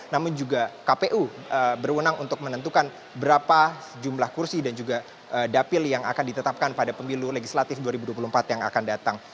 namun juga kpu berwenang untuk menentukan berapa jumlah kursi dan juga dapil yang akan ditetapkan pada pemilu legislatif dua ribu dua puluh empat yang akan datang